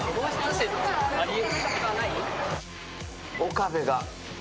・岡部が。